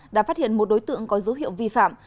đã phát hiện một đối tượng có dấu hiệu vi phạm